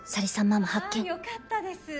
まぁ！よかったです。